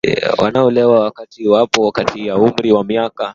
wanaolewa wakati wapo kati ya umri wa miaka kumi na mbili na ishirini Lakini